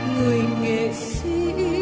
người nghệ sĩ